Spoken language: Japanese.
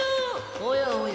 おやおや